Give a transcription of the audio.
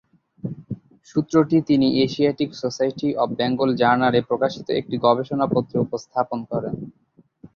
সূত্রটি তিনি Asiatic Society of Bengal জার্নালে প্রকাশিত একটি গবেষণা পত্রে উপস্থাপন করেন।